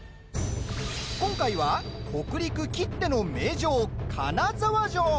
今回は、北陸きっての名城金沢城。